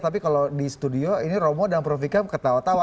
tapi kalau di studio ini romo dan prof vikam ketawa tawa